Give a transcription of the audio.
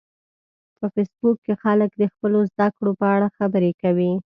په فېسبوک کې خلک د خپلو زده کړو په اړه خبرې کوي